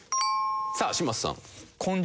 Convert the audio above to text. さあ嶋佐さん。